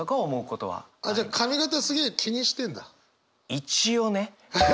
一応ね。